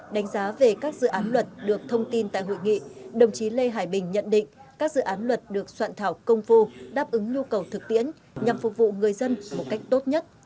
đánh giá về các dự án luật được thông tin tại hội nghị đồng chí lê hải bình nhận định các dự án luật được soạn thảo công phu đáp ứng nhu cầu thực tiễn nhằm phục vụ người dân một cách tốt nhất